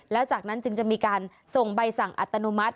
แล้วจากนั้นจึงจะมีการส่งใบสั่งอัตโนมัติ